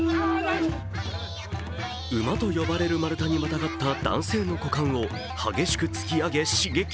ウマと呼ばれる丸太にまたがった男性の股間を激しく突き上げ、刺激。